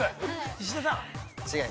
石田さん。